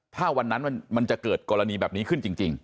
ถ้าวันนั้นมันจะเกิดกรณีแบบนี้ขึ้นจริง